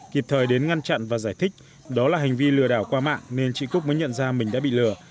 kịp thời đến ngăn chặn và giải thích đó là hành vi lừa đảo qua mạng nên chị cúc mới nhận ra mình đã bị lừa